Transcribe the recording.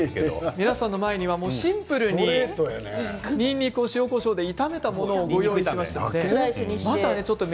皆さんの前にはシンプルに、にんにくを塩、こしょうで炒めたものをご用意しました。